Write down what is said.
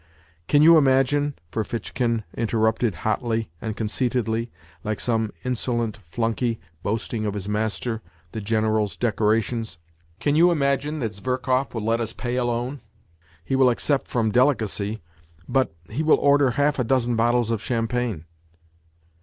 " Can you imagine," Ferfitchkin interrupted hotly and con ceitedly, like some insolent flunkey boasting of his master the General's decorations, " can you imagine that Zverkov will let us pay alone ? He will accept from delicacy, but he will order half a dozen bottles of champagne."